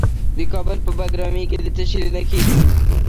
د کابل په بګرامي کې د څه شي نښې دي؟